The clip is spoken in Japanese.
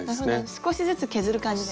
少しずつ削る感じで。